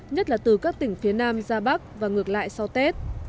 nhất là từ các tỉnh phía nam ra bắc và ngược lại sau tết